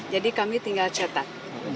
jadi kami tinggal cetak